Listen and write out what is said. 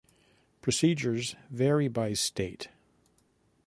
Procedures vary by state.